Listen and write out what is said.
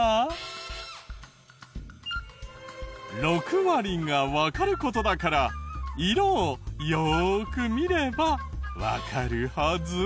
６割がわかる事だから色をよーく見ればわかるはず。